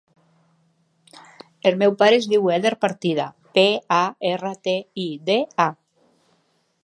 El meu pare es diu Eder Partida: pe, a, erra, te, i, de, a.